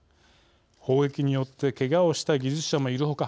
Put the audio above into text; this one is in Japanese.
砲撃によってけがをした技術者もいる他